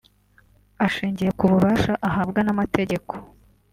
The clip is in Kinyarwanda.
Ashingiye ku bubasha ahabwa n’amategeko